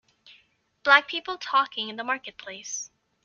Black people talking in the marketplace.